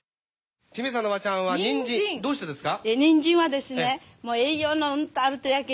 清水さんのおばちゃんはにんじんどうしてですか？